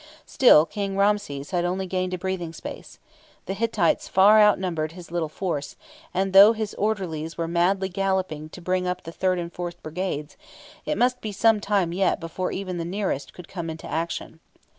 Still King Ramses had only gained a breathing space. The Hittites far outnumbered his little force, and, though his orderlies were madly galloping to bring up the third and fourth brigades, it must be some time yet before even the nearest could come into action.